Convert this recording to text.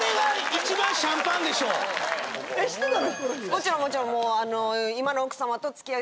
もちろんもちろん。